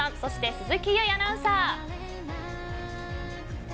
鈴木唯アナウンサー。